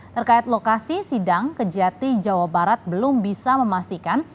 terkait lokasi sidang kejati jawa barat belum bisa memastikan